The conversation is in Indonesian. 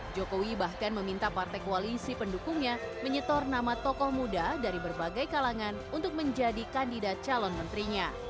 jokowi bahkan meminta partai koalisi pendukungnya menyetor nama tokoh muda dari berbagai kalangan untuk menjadi kandidat calon menterinya